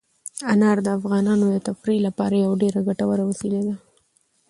انار د افغانانو د تفریح لپاره یوه ډېره ګټوره وسیله ده.